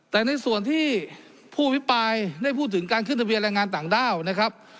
แต่ในส่วนที่ผู้อภิปรายได้พูดถึงการขึ้นทะเบียนแรงงานต่างด้าวนะครับ